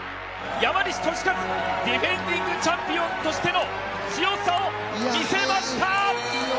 山西利和、ディフェンディングチャンピオンとしての強さを見せました！